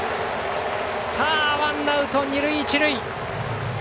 ワンアウト、二塁一塁。